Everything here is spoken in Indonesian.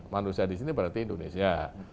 manusia di sini berarti indonesia